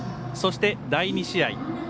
そして、第２試合。